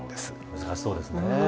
難しそうですね。